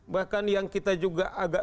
bahkan yang kita juga agak